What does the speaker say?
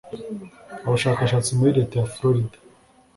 Abashakashatsi muri Leta ya Florida